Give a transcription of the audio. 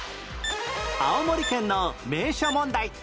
青森県の名所問題